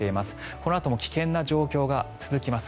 このあとも危険な状況が続きます。